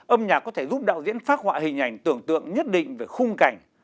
âm nhạc có thể giúp đạo diễn phát họa hình ảnh tưởng tượng nhất định về khung cảnh